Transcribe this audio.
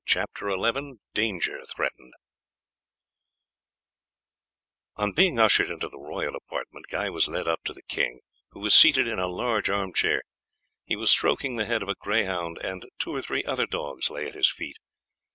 CHAPTER XI DANGER THREATENED On being ushered into the royal apartment Guy was led up to the king, who was seated in a large arm chair. He was stroking the head of a greyhound, and two or three other dogs lay at his feet.